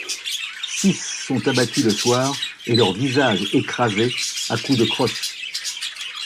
Six sont abattus le soir et leurs visages écrasés à coups de crosses.